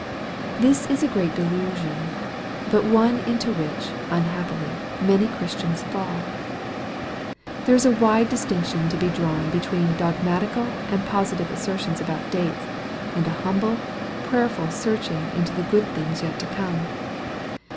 This is a great delusion, but one into which, unhappily, many Christians fall. There is a wide dis tinction to be drawn between dogmatical and positive assertions about dates, and a humble, prayerful searching into the good things yet to come.